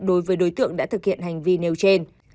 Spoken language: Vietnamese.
đối với đối tượng đã thực hiện hành vi nêu trên